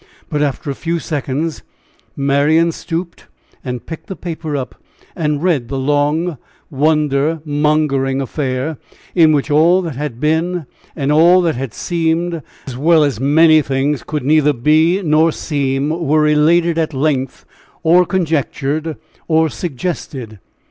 But after a few seconds Marian stooped and picked the paper up and read the long, wonder mongering affair, in which all that had been and all that had seemed, as well as many things could neither be nor seem, were related at length, or conjectured, or suggested.